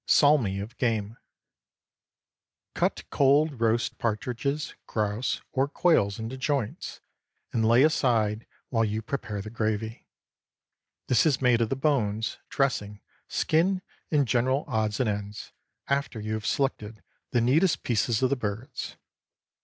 SALMI OF GAME. Cut cold roast partridges, grouse, or quails into joints, and lay aside while you prepare the gravy. This is made of the bones, dressing, skin, and general odds and ends, after you have selected the neatest pieces of the birds.